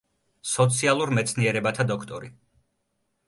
სოციალურ მეცნიერებათა დოქტორი.